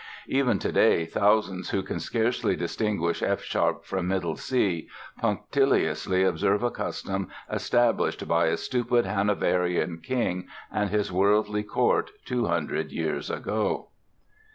Even today thousands who can scarcely distinguish F sharp from middle C punctiliously observe a custom established by a stupid Hanoverian king and his worldly court two hundred years ago."